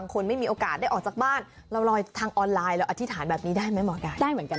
คนไม่มีโอกาสได้ออกจากบ้านเราลอยทางออนไลน์แล้วอธิษฐานแบบนี้ได้ไหมมก